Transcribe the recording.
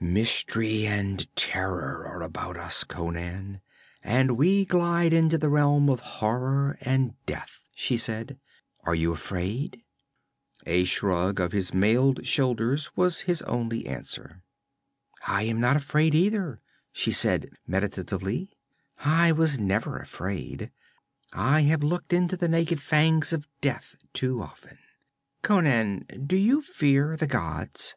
'Mystery and terror are about us, Conan, and we glide into the realm of horror and death,' she said. 'Are you afraid?' A shrug of his mailed shoulders was his only answer. 'I am not afraid either,' she said meditatively. 'I was never afraid. I have looked into the naked fangs of Death too often. Conan, do you fear the gods?'